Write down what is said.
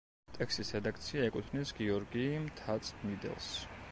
ტექსტის რედაქცია ეკუთვნის გიორგი მთაწმიდელს.